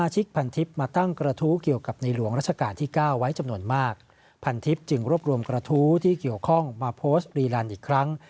จึงรวบรวมกระทู้ที่เกี่ยวข้องมาโพสต์รีรันด์อีกครั้ง